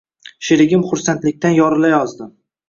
Sherigim xursandlikdan yorilayozdi